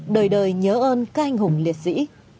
đời đời nhớ ơn ca anh hùng liệt sĩ